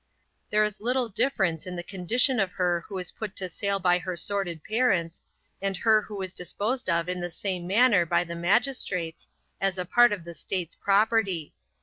There is little difference in the condition of her who is put to sale by her sordid parents, and her who is disposed of in the same manner by the magistrates, as a part of the state's property.